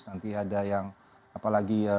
nanti ada yang apalagi